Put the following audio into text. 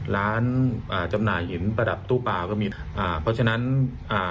อ่าจำหน่ายหินประดับตู้เปล่าก็มีอ่าเพราะฉะนั้นอ่า